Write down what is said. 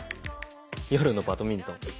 夜のバドミントン。